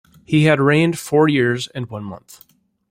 He had reigned four years and one month.